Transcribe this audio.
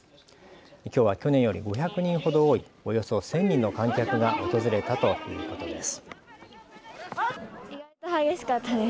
きょうは去年より５００人ほど多いおよそ１０００人の観客が訪れたということです。